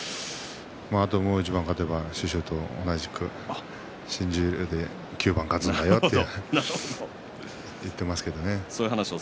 あと、もう一番勝てば師匠と同じく新十両で９番勝つんだよと言っていますけどね。